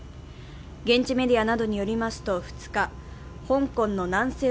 現地メディアなどによりますと２日香港の南西